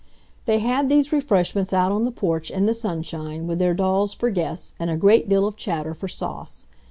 They had these refreshments out on the porch, in the sunshine, with their dolls for guests and a great deal of chatter for sauce.